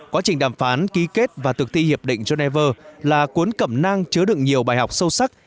quá trình đàm phán ký kết và thực thi hiệp định geneva là cuốn cẩm năng chứa đựng nhiều bài học sâu sắc